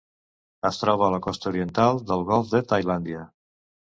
Es troba a la costa oriental del golf de Tailàndia.